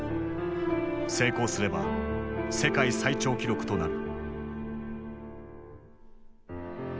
成功すれば世界最長記録となる。